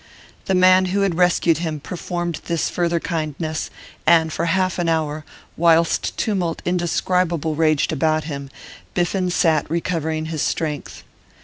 The man who had rescued him performed this further kindness, and for half an hour, whilst tumult indescribable raged about him, Biffen sat recovering his strength.